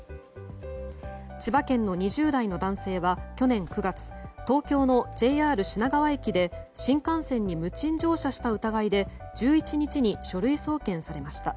千葉県の２０代の男性は去年９月東京のＪＲ品川駅で新幹線に無賃乗車した疑いで１１日に書類送検されました。